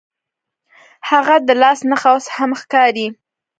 هغه د لاس نښه اوس هم ښکاري.